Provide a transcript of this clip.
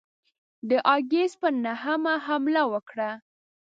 د آګسټ پر نهمه حمله وکړه.